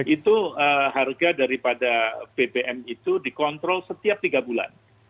itu harga daripada bbm itu dikontrol setiap tiga bulan